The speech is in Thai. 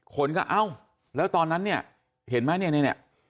คนก็เอ้าแล้วตอนนั้นเนี่ยเห็นไหมเนี่ย